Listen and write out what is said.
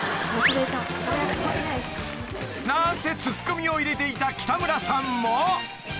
［なんてツッコミを入れていた北村さんも］